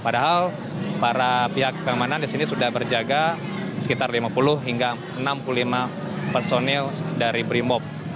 padahal para pihak keamanan di sini sudah berjaga sekitar lima puluh hingga enam puluh lima personil dari brimob